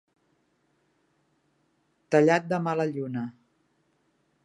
Tallat de mala lluna.